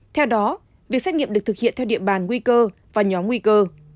theo đó việc xét nghiệm được thực hiện theo địa bàn nguy cơ và nhóm nguy cơ